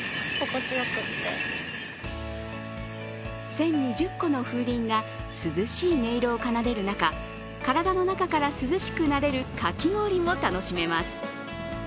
１０２０個の風鈴が涼しい音色を奏でる中、体の中から涼しくなれるかき氷も楽しめます。